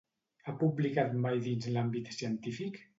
Ha publicat mai dins l'àmbit científic?